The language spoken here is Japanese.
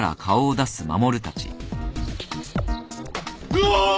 うわ！